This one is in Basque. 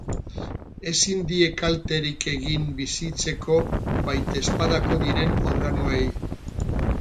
Ezin die kalterik egin bizitzeko baitezpadako diren organoei.